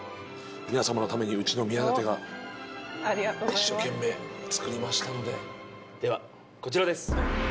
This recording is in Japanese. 皆様のためにうちの宮舘がおっありがとうございます一生懸命作りましたのでではこちらです